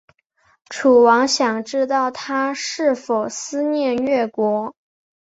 楚王想知道他是否思念越国。